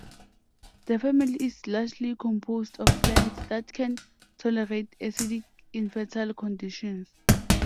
The family is largely composed of plants that can tolerate acidic, infertile conditions.